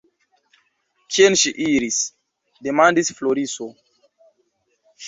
Kien ŝi iris? demandis Floriso.